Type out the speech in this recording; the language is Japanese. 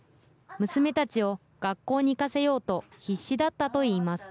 娘たちを学校に行かせようと必死だったといいます。